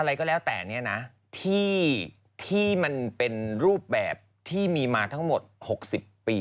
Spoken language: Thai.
อะไรก็แล้วแต่เนี่ยนะที่มันเป็นรูปแบบที่มีมาทั้งหมด๖๐ปี